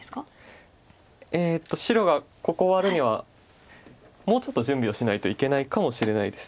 えっと白がここをワルにはもうちょっと準備をしないといけないかもしれないです。